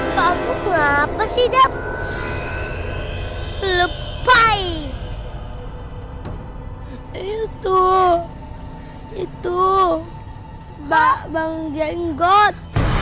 kamu ngapa sih dap hai lepay itu itu babang jenggot